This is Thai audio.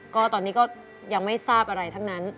ก็ตอนนี้ก็ยังไม่ทราบอะไรทั้งนั้น